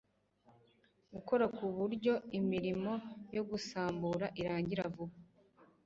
gukora ku buryo imirimo yo gusambura irangira vuba